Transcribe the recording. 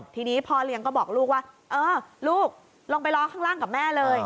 ทีนี้พ่อเลี้ยงก็บอกลูกว่าเออลูกลงไปรอข้างล่างกับแม่เลย